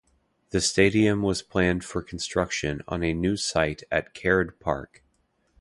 The stadium was planned for construction on a new site at Caird Park.